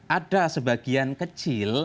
ada sebagian kecil